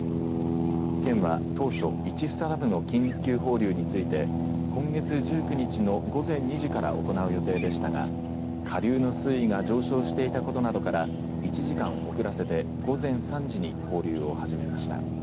県は当初市房ダムの緊急放流について今月１９日の午前２時から行う予定でしたが下流の水位が上昇していたことなどから１時間遅らせて午前３時に放流を始めました。